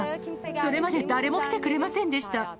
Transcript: それまで誰も来てくれませんでした。